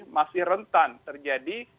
masih rentan terjadi